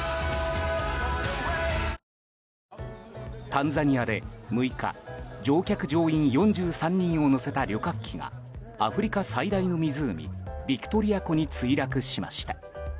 タンザニアで６日乗客・乗員４３人を乗せた旅客機が、アフリカ最大の湖ビクトリア湖に墜落しました。